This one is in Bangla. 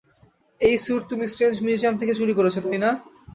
এই স্যুট তুমি স্ট্রেঞ্জ মিউজিয়াম থেকে চুরি করেছো, তাই না?